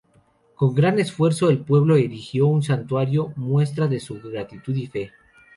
Con gran esfuerzo el pueblo erigió un Santuario, muestra de su gratitud y fe.